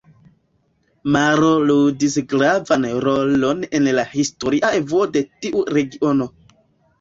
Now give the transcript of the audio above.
Maro ludis gravan rolon en la historia evoluo de tiu regiono.